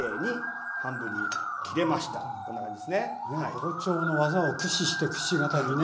包丁の技を駆使してくし形にね。